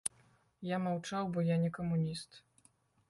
Я маўчаў, бо я не камуніст.